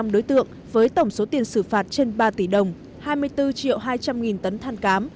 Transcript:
một trăm ba mươi năm đối tượng với tổng số tiền xử phạt trên ba tỷ đồng hai mươi bốn hai trăm linh tấn than cám